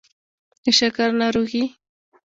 د شکر ناروغي